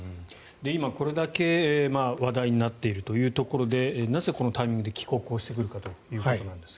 今、これだけ話題になっているというところでなぜ、このタイミングで帰国をしてくるかということですが。